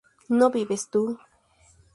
¿no vives tú?